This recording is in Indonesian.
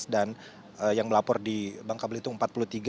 dan yang melapor di bangka belitung empat puluh tiga